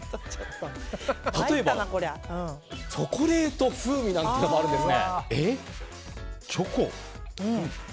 例えば、チョコレート風味なんていうのもあるんです。